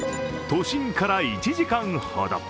都心から１時間ほど。